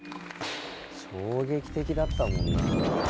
衝撃的だったもんな。